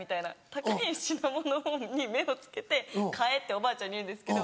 高い品物に目をつけて買えっておばあちゃんに言うんですけど。